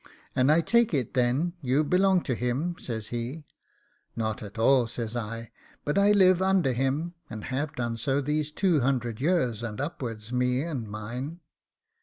'And I take it, then, you belong to him?' says he. 'Not at all,' says I; 'but I live under him, and have done so these two hundred years and upwards, me and mine.